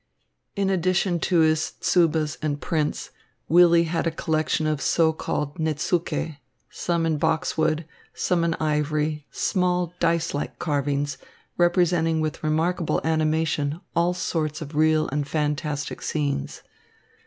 In addition to his tsubas and prints, Willy had a collection of so called netsuke, some in boxwood, some in ivory, small, dice like carvings, representing with remarkable animation all sorts of real and fantastic scenes.